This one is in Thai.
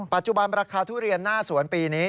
ปัจจุบันราคาทุเรียนหน้าสวนปีนี้